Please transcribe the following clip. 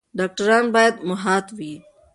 ډاکټران باید محتاط وي.